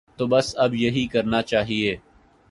تو بس اب یہی کرنا چاہیے۔